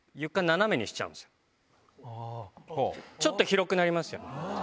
ちょっと広くなりますよね。